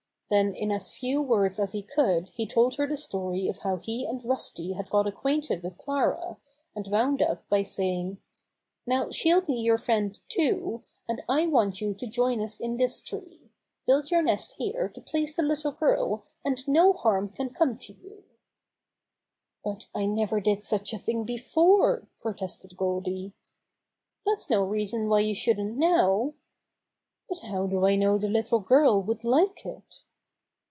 Then in as few words as he could he told her the story of how he and Rusty had got ac quainted with Clara, and wound up by saying: "Now, she'll be your friend, too, and I want you to join us in this tree. Build your nest here to please the little girl, and no harm can come to you." Goldy Decides to Build in the Tree 55 "But I never did such a thing before!" pro tested Goldy. "That's no reason why you shouldn't now." "But how do I know the little girl would like it?"